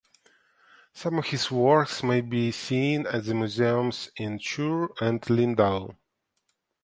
Some of his works may be seen at the museums in Chur and Lindau.